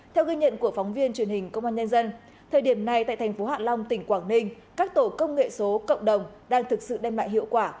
theo ghi nhận của phóng viên truyền hình công an nhân dân thời điểm này tại thành phố hạ long tỉnh quảng ninh các tổ công nghệ số cộng đồng đang thực sự đem lại hiệu quả